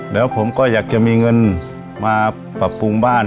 แล้วผมก็อยากจะมีเงินมาปรับปรุงบ้าน